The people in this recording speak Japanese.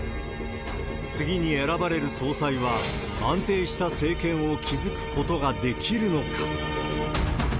次に選ばれる総裁は安定した政権を築くことができるのか。